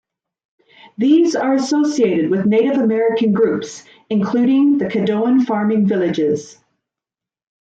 These are associated with Native American groups including the Caddoan farming villages.